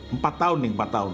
empat tahun nih empat tahun